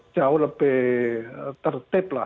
jauh lebih tertib lah